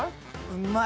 うまい？